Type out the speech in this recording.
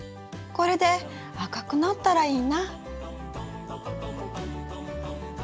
これで赤くなったらいいな。